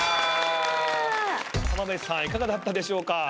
浜辺さんいかがだったでしょう？